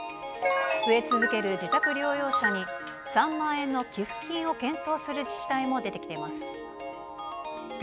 増え続ける自宅療養者に３万円の給付金を検討する自治体も出てきています。